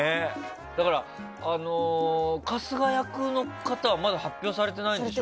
だから、春日役の方はまだ発表されてないんでしょ？